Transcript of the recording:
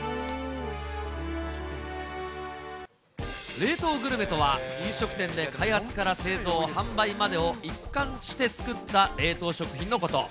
冷凍グルメとは、飲食店で開発から製造・販売までを一貫して作った冷凍食品のこと。